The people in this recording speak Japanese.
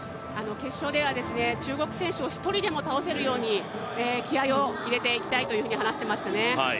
決勝では中国選手を１人でも倒せるように気合いを入れたいと話をしてましたね。